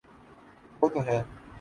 وہ تو ہیں۔